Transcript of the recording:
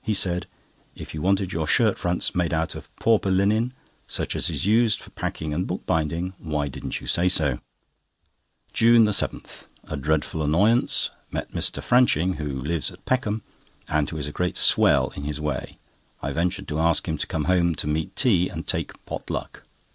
He said: "If you wanted your shirt fronts made out of pauper linen, such as is used for packing and bookbinding, why didn't you say so?" JUNE 7.—A dreadful annoyance. Met Mr. Franching, who lives at Peckham, and who is a great swell in his way. I ventured to ask him to come home to meat tea, and take pot luck.